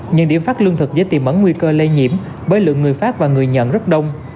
những điểm phát lương thực dễ tìm ẩn nguy cơ lây nhiễm bởi lượng người phát và người nhận rất đông